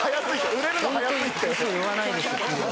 ウソ言わないですよ